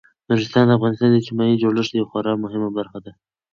نورستان د افغانستان د اجتماعي جوړښت یوه خورا مهمه برخه ده.